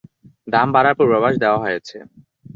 দাম বাড়ার পূর্বাভাস দেওয়া হয়েছে।